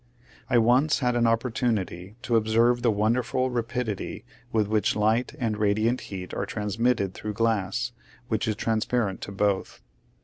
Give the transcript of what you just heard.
I once had an opportunity to observe the wonderful rapidity with which light and ra diant heat are transmitted through glass, which is transparent to both.